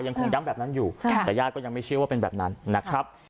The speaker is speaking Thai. ยังคงย้ำแบบนั้นอยู่แต่ญาติก็ยังไม่เชื่อว่าเป็นแบบนั้นนะครับ